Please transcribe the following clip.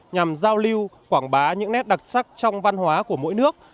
nhằm giao lưu quảng bá những nét đặc sắc trong văn hóa của mỗi nước